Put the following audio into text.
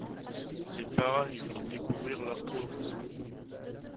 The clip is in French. Ses parents lui font découvrir l’astronomie.